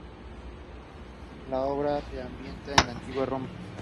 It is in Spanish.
La obra se ambienta en la Antigua Roma.